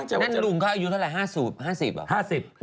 นั่นลุงเขาอายุเท่าไหร่๕๐อ๋อ